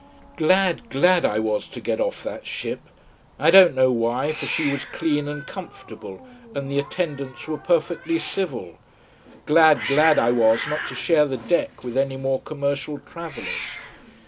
Glad, glad I was to get off that ship: I don't know why, for she was clean and comfortable and the attendants were perfectly civil. Glad, glad I was not to share the deck with any more commercial travellers.